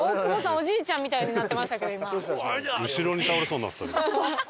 おじいちゃんみたいになってましたけど今。